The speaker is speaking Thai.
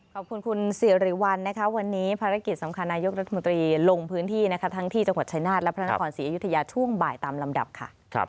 ขอบคุณคุณสิริวัลนะคะวันนี้ภารกิจสำคัญนายกรัฐมนตรีลงพื้นที่นะคะทั้งที่จังหวัดชายนาฏและพระนครศรีอยุธยาช่วงบ่ายตามลำดับค่ะ